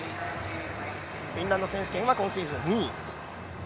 フィンランド選手権は、今シーズン２位。